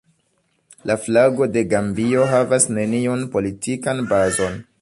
La flago de Gambio havas neniun politikan bazon.